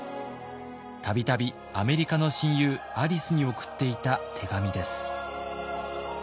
度々アメリカの親友アリスに送っていた手紙です。